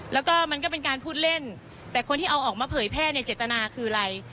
แล้วก็มันก็เป็นการพูดเล่นแต่คนที่เอาออกมาเผยแพร่ในเจตนาคืออะไร